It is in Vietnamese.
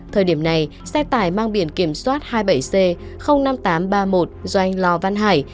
thời điểm này xe tải mang biển kiểm soát hai mươi bảy c năm nghìn tám trăm ba mươi một do anh lò văn hải